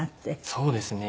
そうですね